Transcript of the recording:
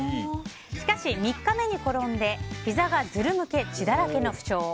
しかし３日目に転んでひざがズルむけ血だらけの負傷。